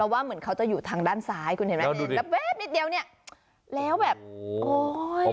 ว่าเหมือนเขาจะอยู่ทางด้านซ้ายคุณเห็นไหมแป๊บนิดเดียวเนี่ยแล้วแบบโอ๊ย